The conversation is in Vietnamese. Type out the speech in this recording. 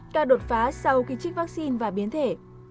đa đột phá sau khi trích vaccine và biến thể